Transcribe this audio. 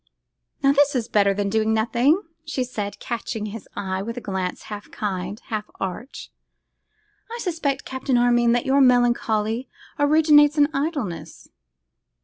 'Now this is better than doing nothing!' she said, catching his eye with a glance half kind, half arch. 'I suspect, Captain Armine, that your melancholy originates in idleness.